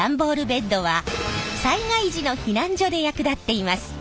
ベッドは災害時の避難所で役立っています。